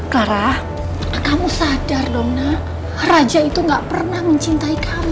clara kamu sadar dong na raja itu nggak pernah mencintai kamu